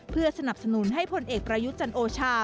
เพื่อสนับสนุนให้พลเอกประยุทธ์จันโอชา